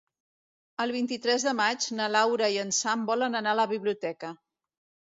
El vint-i-tres de maig na Laura i en Sam volen anar a la biblioteca.